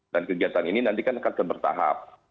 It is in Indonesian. dan kegiatan ini nanti kan akan kebertahap